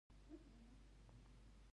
په احرام کې یو شي ته هم ضرر نه رسېږي.